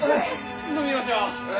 飲みましょう！